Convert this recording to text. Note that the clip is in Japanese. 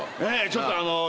ちょっとあのう。